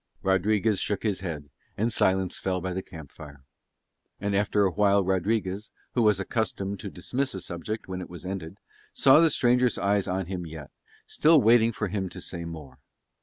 Rodriguez shook his head, and silence fell by the camp fire. And after awhile Rodriguez, who was accustomed to dismiss a subject when it was ended, saw the stranger's eyes on him yet, still waiting for him to say more.